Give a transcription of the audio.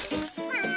ああ。